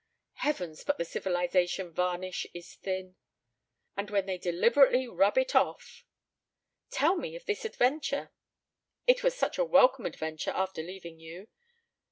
Heavens, but the civilization varnish is thin! and when they deliberately rub it off " "Tell me of this adventure." "It was such a welcome adventure after leaving you!